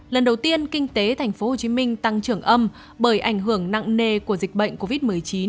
lần đầu tiên kinh tế tp hcm tăng trưởng âm bởi ảnh hưởng nặng nề của dịch bệnh covid một mươi chín